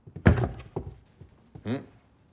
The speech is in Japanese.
うん？